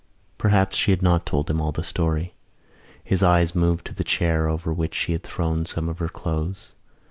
Perhaps she had not told him all the story. His eyes moved to the chair over which she had thrown some of her clothes.